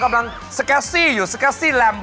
กำลังสกัสซี่อยู่สกัสซี่แหลม